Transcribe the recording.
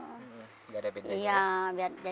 nggak ada bedanya